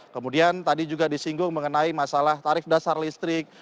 kemudian tadi juga disinggung mengenai masalah tarif dasar listrik